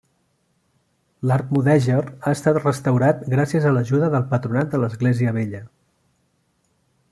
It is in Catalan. L'arc mudèjar ha estat restaurat gràcies a l'ajuda del Patronat de l'Església Vella.